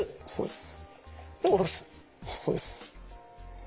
そうですね。